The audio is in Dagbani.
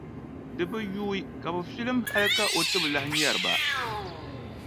Di bi yuui ka bɛ filim hali ka o ti bi lahi nyari ba.